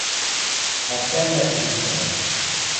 — Ӓптӓнлӓ тӹргештӹлӓт!